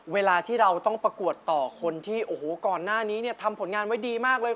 เวลาที่เราต้องประกวดต่อคนที่โอ้โหก่อนหน้านี้เนี่ยทำผลงานไว้ดีมากเลย